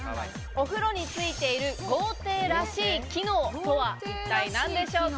お風呂についている豪邸らしい機能とは一体何でしょうか？